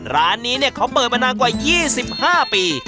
ร้านนี้เขาเปิดมานานกว่า๒๕ปี